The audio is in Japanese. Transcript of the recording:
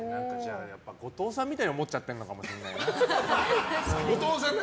後藤さんみたいに思っちゃってるのかもしれない。